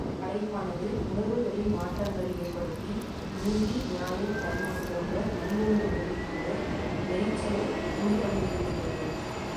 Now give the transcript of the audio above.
களைப்பானது உணர்வுகளில் மாற்றங்களை ஏற்படுத்தி நீதி நியாயம் தர்மம் போன்ற நல்லுணர்வுகளில் கூட எரிச்சலை உண்டுபண்ணி விடுகின்றது.